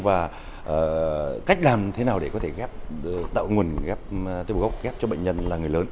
và cách làm thế nào để có thể ghép tạo nguồn ghép tế bào gốc ghép cho bệnh nhân là người lớn